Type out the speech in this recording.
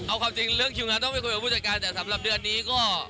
เอาความจริงเรื่องคิวงานต้องไปคุยกับผู้จัดการแต่สำหรับเดือนนี้ก็